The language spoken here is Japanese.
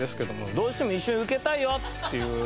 「どうしても一緒に受けたいよ」っていう方も。